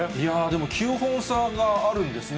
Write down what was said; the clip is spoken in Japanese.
でも、９本差があるんですね。